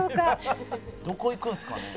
「どこ行くんすかね」